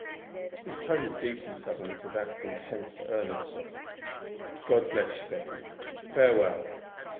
'" (His tone had deepened suddenly to that of intense earnestness) "God bless you, Betty; farewell."